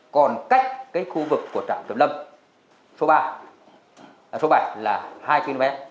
còn cách cái khu vực của trạm kiểm lâm số bảy là hai km